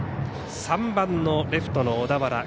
３番のレフトの小田原。